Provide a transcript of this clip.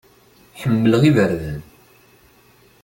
Ḥemmleɣ iberdan.